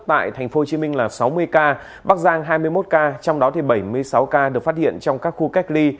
tại tp hcm là sáu mươi ca bắc giang hai mươi một ca trong đó bảy mươi sáu ca được phát hiện trong các khu cách ly